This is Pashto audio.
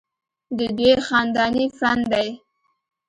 ددوي خانداني فن دے